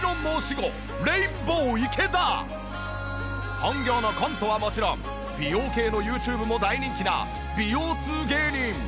本業のコントはもちろん美容系のＹｏｕＴｕｂｅも大人気な美容通芸人。